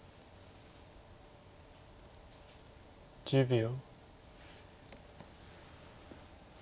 １０秒。